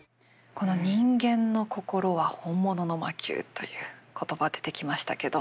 この「人間の心は本物の魔宮」という言葉が出てきましたけども。